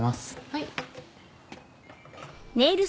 はい。